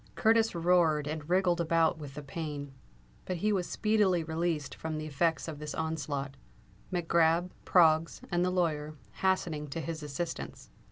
Curtis roared and wriggled about with the pain; but he was speedily released from the effects of this onslaught, Mac Grab, Proggs, and the lawyer, hastening to his assistance.